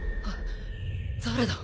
誰だ？